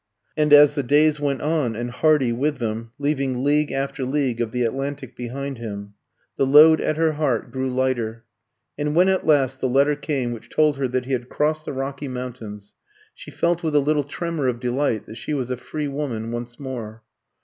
And as the days went on, and Hardy with them, leaving league after league of the Atlantic behind him, the load at her heart grew lighter; and when at last the letter came which told her that he had crossed the Rocky Mountains, she felt with a little tremor of delight that she was a free woman once more.